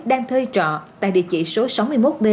đang thuê trọ tại địa chỉ số sáu mươi một b